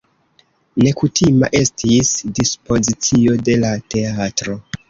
Nekutima estis dispozicio de la teatro.